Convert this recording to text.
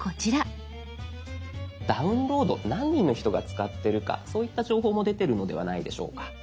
「ダウンロード」何人の人が使ってるかそういった情報も出てるのではないでしょうか。